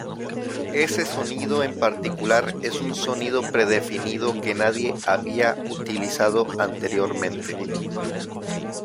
Ese sonido en particular es un sonido predefinido que nadie había utilizado anteriormente.